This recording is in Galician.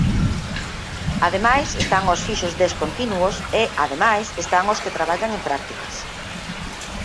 Ademais, están os fixos descontinuos e, ademais, están os que traballan en prácticas.